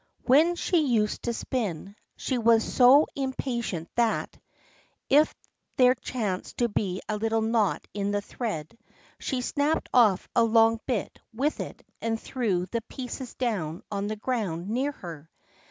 When she used to spin, she was so impatient that, if there chanced to be a little knot in the thread, she snapped off a long bit with it and threw the pieces down on the ground near her.